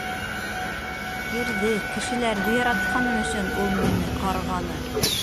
Ерҙе, кешеләрҙе яратҡаным өсөн ул мине ҡарғаны.